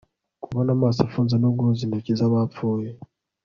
Kubona amaso afunze no guhuza intoki zabapfuye